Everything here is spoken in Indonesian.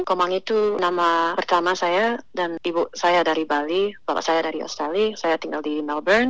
komang itu nama pertama saya dan ibu saya dari bali bapak saya dari australia saya tinggal di melbourne